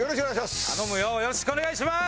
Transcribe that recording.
よろしくお願いします！